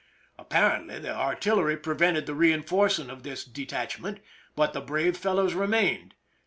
Apparently the artillery prevented the reinforcing of this detachment, but the brave fellows remained.